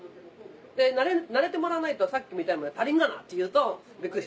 で慣れてもらわないとさっきみたいな「足りんがな」って言うとビックリ。